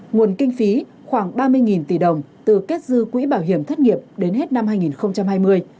nguồn kinh phí khoảng ba mươi tỷ đồng từ kết dư quỹ bảo hiểm thất nghiệp đến hết năm hai nghìn hai mươi